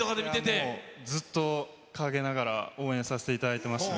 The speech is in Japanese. もうずっと陰ながら応援させていただいてました。